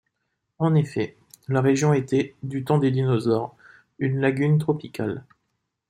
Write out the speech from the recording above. En effet, la région était, du temps des dinosaures, une lagune tropicale.